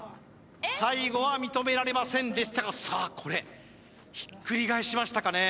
最後は認められませんでしたがさあこれひっくり返しましたかね